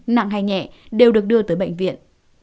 nặng hay nhẹ đều được đưa tới bệnh viện